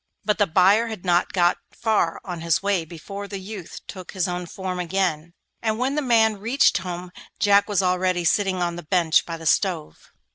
But the buyer had not got far on his way before the youth took his own form again, and when the man reached home Jack was already sitting on the bench by the stove.